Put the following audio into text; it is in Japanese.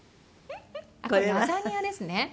これラザニアですね。